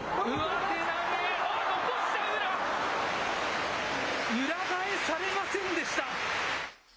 裏返されませんでした。